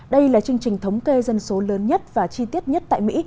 đây là chương trình thống kê dân số lớn nhất và chi tiết nhất tại mỹ